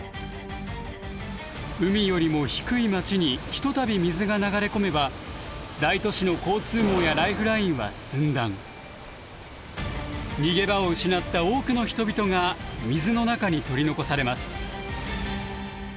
海よりも低い街にひとたび水が流れ込めば大都市の逃げ場を失った多くの人々が水の中に取り残されます。